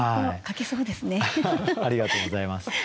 ありがとうございます。